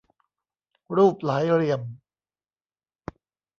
รูปหลายเหลี่ยม